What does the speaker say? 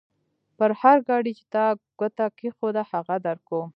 پر هر ګاډي چې تا ګوته کېښوده؛ هغه درکوم.